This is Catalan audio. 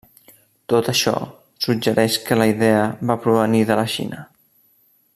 Tot això suggereix que la idea va provenir de la Xina.